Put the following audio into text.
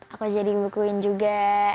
aku jadi bukuin juga